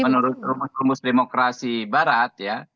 menurut rumah kumpul demokrasi barat ya